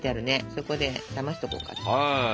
そこで冷ましとこうか。